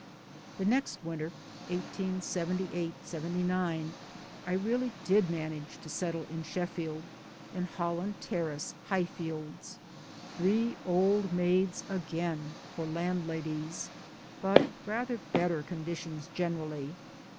The next winter 1878 9 I really did manage to settle in Sheffield, in Holland Terrace, Highfields three old maids again for landladies ! but rather better conditions generally.